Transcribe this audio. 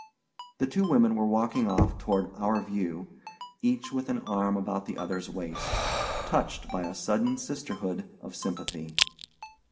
The two women were walking off toward "our view," each with an arm about the other's waist—touched by a sudden sisterhood of sympathy.